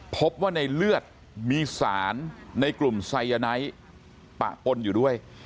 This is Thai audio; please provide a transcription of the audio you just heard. พบว่าในเลือดมีสารในกลุ่มไซยาไนท์ปะปนอยู่ด้วย